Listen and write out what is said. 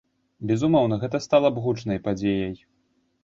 Безумоўна, гэта стала б гучнай падзеяй.